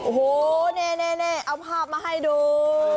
โอ้โหแน่เอาภาพมาให้ดู